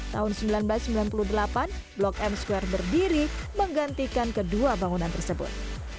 tahun seribu sembilan ratus sembilan puluh delapan blok m square berdiri menggantikan kedua bangunan tersebut